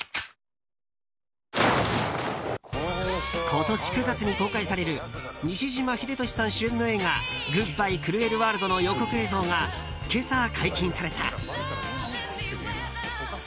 今年９月に公開される西島秀俊さん主演の映画「グッバイ・クルエル・ワールド」の予告映像が今朝解禁された。